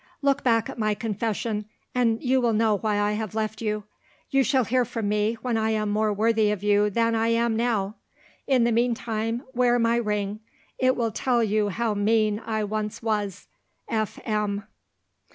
Look back at my confession and you will know why I have left you. You shall hear from me, when I am more worthy of you than I am now. In the meantime, wear my ring. It will tell you how mean I once was. F. M."